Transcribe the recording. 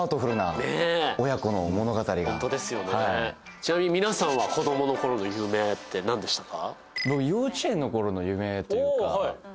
ちなみに皆さんは子供の頃の夢って何でしたか？